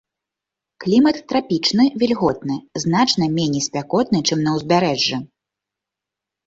Клімат трапічны вільготны, значна меней спякотны, чым на ўзбярэжжы.